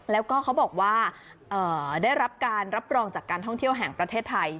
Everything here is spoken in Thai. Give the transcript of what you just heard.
แล้วก็เขาบอกว่าได้รับการรับรองจากการท่องเที่ยวแห่งประเทศไทย